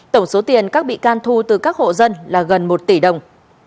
tổng số tiền các bị can thu từ các hộ dân là gần một tỷ đồng